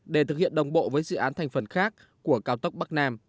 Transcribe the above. để thực hiện đồng bộ với dự án thành phần khác của cao tốc bắc nam